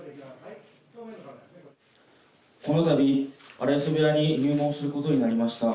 この度荒磯部屋に入門することになりました